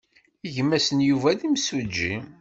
Gma-s n Yuba d imsujji.